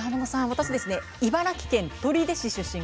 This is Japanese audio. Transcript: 私ですね茨城県取手市出身。